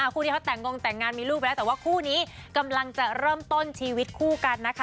คู่นี้เขาแต่งงแต่งงานมีลูกไปแล้วแต่ว่าคู่นี้กำลังจะเริ่มต้นชีวิตคู่กันนะคะ